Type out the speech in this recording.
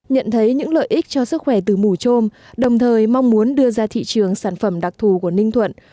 nhận thấy những lợi ích cho sức khỏe từ mù trôm đồng thời mong muốn đưa ra thị trường sản phẩm đặc thù của ninh thuận